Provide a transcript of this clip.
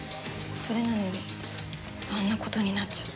それなのにあんな事になっちゃって。